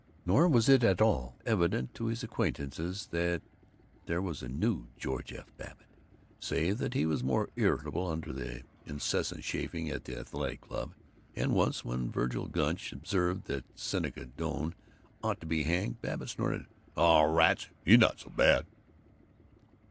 Nor was it at all evident to his acquaintances that there was a new George F. Babbitt, save that he was more irritable under the incessant chaffing at the Athletic Club, and once, when Vergil Gunch observed that Seneca Doane ought to be hanged, Babbitt snorted, "Oh, rats, he's not so bad."